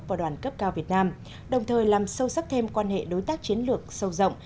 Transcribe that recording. và đoàn cấp cao việt nam đồng thời làm sâu sắc thêm quan hệ đối tác chiến lược sâu rộng